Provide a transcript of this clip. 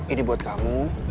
ini buat kamu